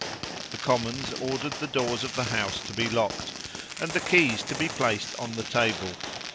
The Commons ordered the doors of the House to be locked, and the keys to be placed on the table.